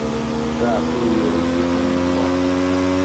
فَاعْفُوا يُعِزُّكُمْ اللَّهُ